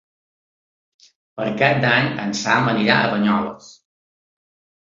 Per Cap d'Any en Sam anirà a Banyoles.